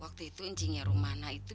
waktu itu encingnya rumah anak itu